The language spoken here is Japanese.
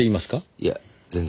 いや全然。